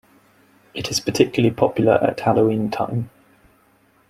It is particularly popular at Halloween time.